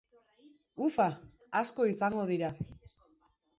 Ufa, asko izango dira.